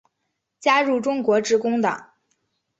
加入中国致公党。